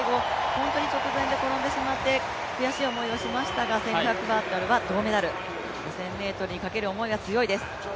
本当に直前で転んでしまって悔しい思いをしましたが１５００は銅メダル、５０００ｍにかける思いが強いです。